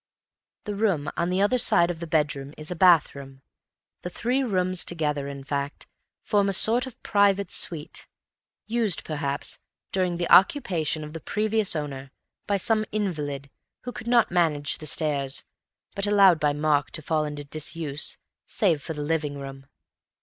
The room on the other side of the bedroom is a bathroom. The three rooms together, in fact, form a sort of private suite; used, perhaps, during the occupation of the previous owner, by some invalid, who could not manage the stairs, but allowed by Mark to fall into disuse, save for the living room.